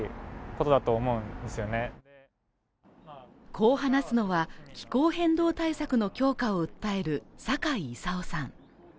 こう話すのは気候変動対策の強化を訴える酒井功雄さん